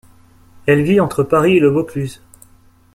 Elle vit entre Paris et le Vaucluse.